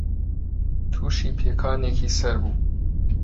تووشی پێکانێکی سەر بوو